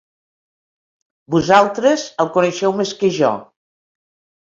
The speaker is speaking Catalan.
Vosaltres el coneixeu més que jo.